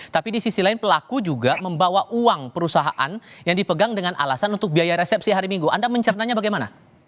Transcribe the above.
tapi di sisi lain pelaku juga membawa uang perusahaan yang dipegang dengan alasan untuk biaya resepsi hari minggu anda mencernanya bagaimana